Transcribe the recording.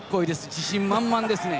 自信満々ですね。